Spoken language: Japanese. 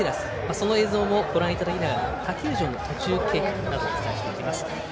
その映像をご覧いただきながら他球場の途中経過をお伝えします。